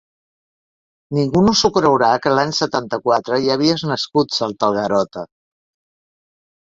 Ningú no s'ho creurà, que l'any setanta-quatre ja havies nascut! —salta el Garota.